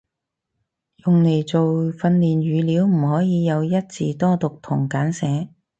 用嚟做訓練語料唔可以有一字多讀同簡寫